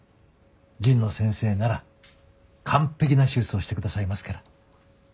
神野先生なら完璧な手術をしてくださいますから。